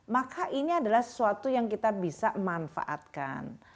maka ini adalah sesuatu yang kita bisa manfaatkan